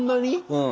うん。